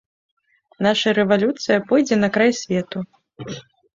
Наша рэвалюцыя пойдзе на край свету!